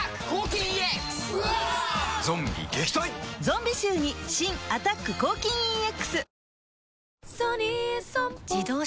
ゾンビ臭に新「アタック抗菌ＥＸ」